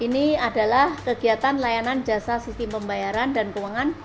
ini adalah kegiatan layanan jasa sistem pembayaran dan keuangan